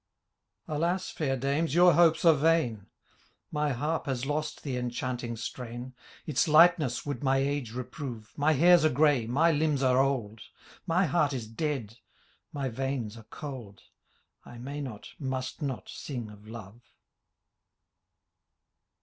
Alas ! fair dames, your hopes are vain I My harp has lost the enchanting strain ; Its lightness would my age reprove : My hairs are grey, my limbs are old. My heart is dead, my veins are cold : I may not, must not, sing of love.